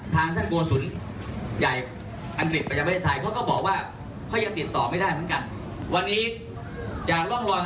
รองทุกข์แจ้งความดำเนินคดีอย่างยา